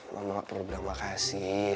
mama nggak perlu bilang makasih